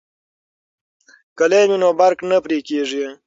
که لین وي نو برق نه پرې کیږي.